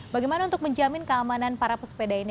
bagaimana untuk menjamin keamanan para pesepeda ini